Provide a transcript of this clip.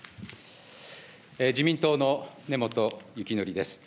自民党の根本幸典です。